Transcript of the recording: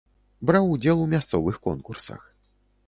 Браў удзел у мясцовых конкурсах.